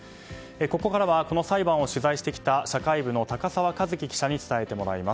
ここからはこの裁判を取材してきた社会部の高沢一輝記者に伝えてもらいます。